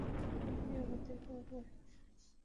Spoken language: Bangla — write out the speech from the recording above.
উনিই আমাদের বাবা।